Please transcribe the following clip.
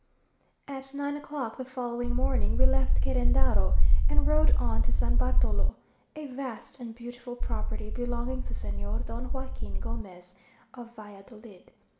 At nine o'clock the following morning we left Querendaro, and rode on to San Bartolo, a vast and beautiful property, belonging to Señor Don Joaquin Gomez, of Valladolid.